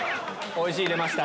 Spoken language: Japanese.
「おいし」出ました。